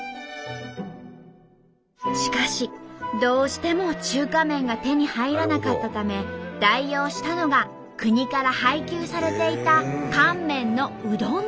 しかしどうしても中華麺が手に入らなかったため代用したのが国から配給されていた乾麺のうどんでした。